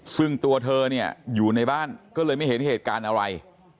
ซึ่งตัวเธอเนี่ยอยู่ในบ้านก็เลยไม่เห็นเหตุการณ์อะไร